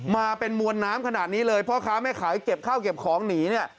มาเป็นมวลน้ำขนาดนี้เลยพ่อค้าแม่ขายเก็บข้าวเก็บของหนีเนี่ย